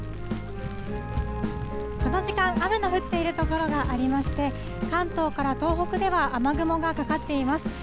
この時間、雨の降っている所がありまして、関東から東北では雨雲がかかっています。